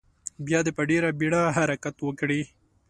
بیا دې په ډیره بیړه حرکت وکړي.